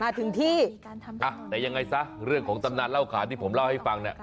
ถึงที่การทำงานแต่ยังไงซะเรื่องของตำนานเล่าขานที่ผมเล่าให้ฟังเนี่ย